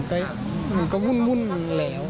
ก็มันก็วุ่นแล้ว